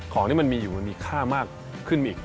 ของที่มันมีอยู่มันมีค่ามากขึ้นอีก